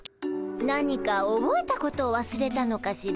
何かおぼえたことをわすれたのかしら？